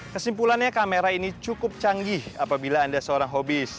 kesimpulannya kamera ini cukup canggih apabila anda seorang hobis